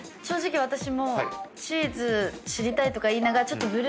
正直私もチーズ知りたいとか言いながらちょっと。